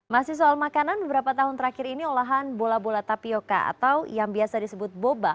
masih soal makanan beberapa tahun terakhir ini olahan bola bola tapioca atau yang biasa disebut boba